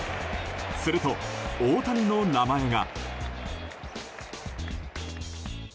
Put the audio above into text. すると、大谷の名前が。